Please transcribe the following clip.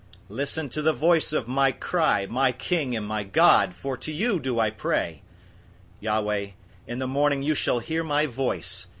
005:002 Listen to the voice of my cry, my King and my God; for to you do I pray. 005:003 Yahweh, in the morning you shall hear my voice.